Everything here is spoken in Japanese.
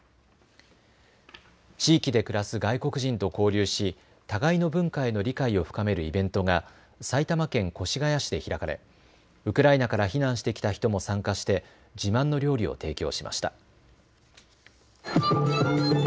地域で暮らす外国人と交流し互いの文化への理解を深めるイベントが埼玉県越谷市で開かれウクライナから避難してきた人も参加して自慢の料理を提供しました。